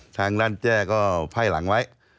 ทางด้านแจ้ก็ไพ่หลังไว้